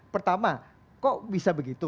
pertama kok bisa begitu